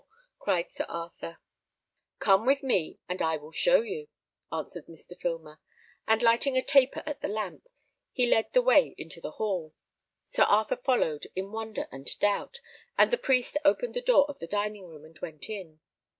cried Sir Arthur. "Come with me and I will show you," answered Mr. Filmer; and lighting a taper at the lamp, he led the way into the hall. Sir Arthur followed, in wonder and doubt, and the priest opened the door of the dining room, and went in.